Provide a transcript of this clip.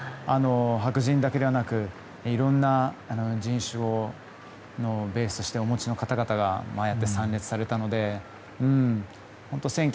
白人だけではなくいろんな人種をベースとしてお持ちの方々がああやって参列されたので本当